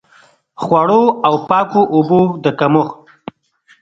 خوړو او پاکو اوبو د کمښت.